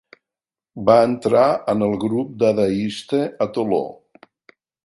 Va entrar en el grup dadaista a Toló.